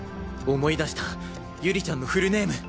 思い出した有里ちゃんのフルネーム。